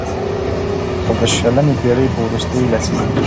او د شلمې پېړۍ په وروستۍ لسيزه کې